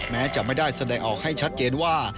แม้จะไม่ได้แสดงออกให้ชัดเจนว่า